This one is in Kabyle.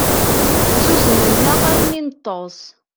Zzuzznen-aɣ armi i neṭṭes.